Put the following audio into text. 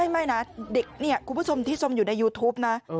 ไม่นะคุณผู้ชมที่ชมอยู่ในยูทูปนะ